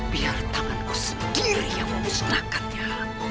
biar tanganku sendiri yang memusnahkannya